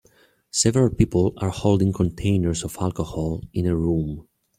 Several people are holding containers of alcohol in a room.